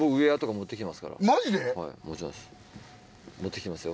持ってきてますよ。